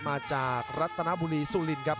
มาจากรัตนบุรีสุลินครับ